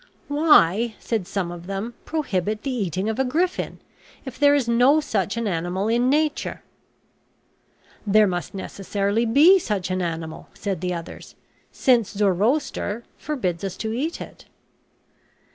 "Why," said some of them, "prohibit the eating of a griffin, if there is no such an animal in nature?" "There must necessarily be such an animal," said the others, "since Zoroaster forbids us to eat it."